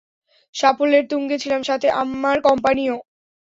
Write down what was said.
সাফল্যের তুঙ্গে ছিলাম, সাথে আমার কোম্পানিও।